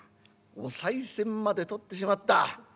おさい銭まで取ってしまった。